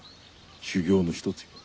修行の一つよ。